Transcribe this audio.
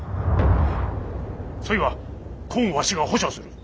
そいはこんわしが保証する。